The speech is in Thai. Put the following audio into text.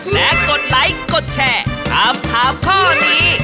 และกดไลค์กดแชร์ถามถามข้อนี้